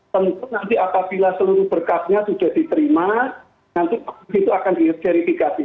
tentu nanti apabila seluruh berkatnya sudah diterima nanti itu akan di serifikasi